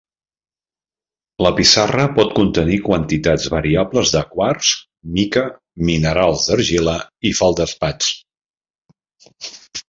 La pissarra pot contenir quantitats variables de quars, mica, minerals d'argila i feldespats.